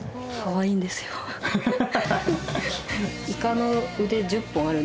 ハハハハ。